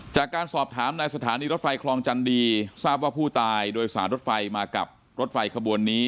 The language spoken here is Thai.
จากการสอบถามในสถานีรถไฟคลองจันดีทราบว่าผู้ตายโดยสารรถไฟมากับรถไฟขบวนนี้